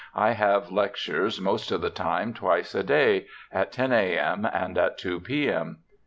I have lectures, most of the time, twice a day, at 10 a.m. and at 2 p.m.